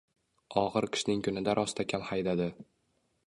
Oxir qishning kunida rostakam haydadi